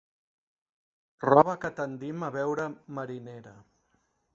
Roba que tendim a veure marinera.